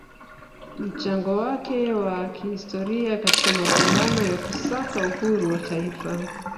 mchango wake wa kihistoria katika mapambano ya kusaka uhuru wa taifa